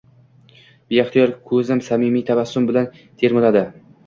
Beixtiyor koʻzim samimiy tabassum bilan termuladi